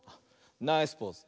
ナイスポーズ。